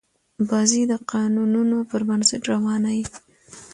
بازي د قانونونو پر بنسټ روانه يي.